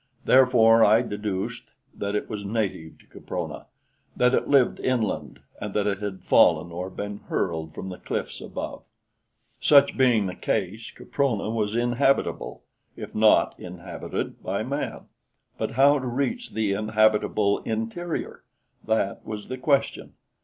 Therefore I deduced that it was native to Caprona that it lived inland, and that it had fallen or been hurled from the cliffs above. Such being the case, Caprona was inhabitable, if not inhabited, by man; but how to reach the inhabitable interior! That was the question.